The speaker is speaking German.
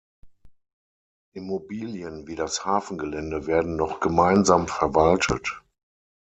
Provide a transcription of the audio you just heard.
Immobilien wie das Hafengelände werden noch gemeinsam verwaltet.